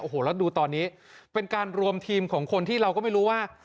โอ้โหแล้วดูตอนนี้เป็นการรวมทีมของคนที่เราก็ไม่รู้ว่า